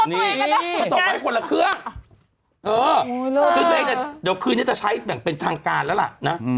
นี่มันจบให้คนละเครื่องคือเพลงเนี่ยเดี๋ยวคืนนี้จะใช้แบ่งเป็นทางการแล้วล่ะนะ